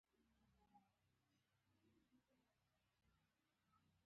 په توره دريشي کښې يو سړى راننوت.